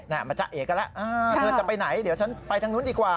นะฮะมาจักรเอกกันแล้วอ้าวเธอจะไปไหนเดี๋ยวฉันไปทางนู้นดีกว่า